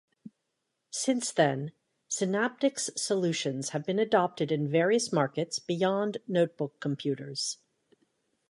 Since then, Synaptics' solutions have been adopted in various markets beyond notebook computers.